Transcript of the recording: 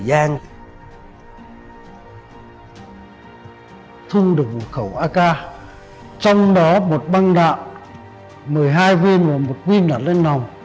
thu được một khẩu ak trong đó một băng đạn một mươi hai viên và một viên đạn lên nòng